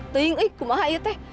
teing ii kumaha ya tee